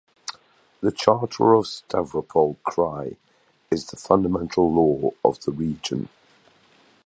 The Charter of Stavropol Krai is the fundamental law of the region.